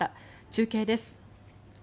中継です。